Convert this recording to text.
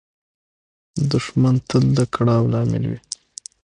دښمن تل د کړاو لامل وي